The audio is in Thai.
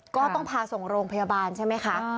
ก็ต้องพาส่งโรงพยาบาลใช่ไหมคะ